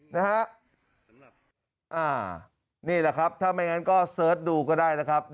นี่แหละครับถ้าไม่งั้นก็เสิร์ชดูก็ได้นะครับ